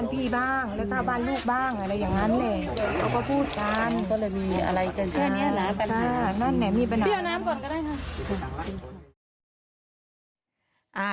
พี่เอาน้ำก่อนก็ได้ค่ะ